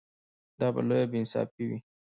دا به لویه بې انصافي وي.